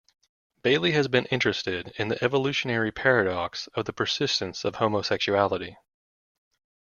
Bailey has been interested in the evolutionary paradox of the persistence of homosexuality.